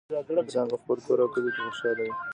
انسان په خپل کور او کلي کې خوشحاله وي